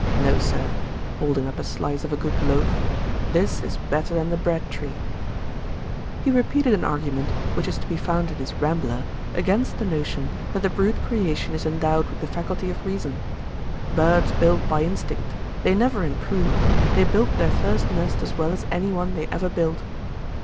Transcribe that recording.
No, Sir, (holding up a slice of a good loaf,) this is better than the bread tree.' He repeated an argument, which is to be found in his Rambler, against the notion that the brute creation is endowed with the faculty of reason: 'birds build by instinct; they never improve; they build their first nest as well as any one they ever build.'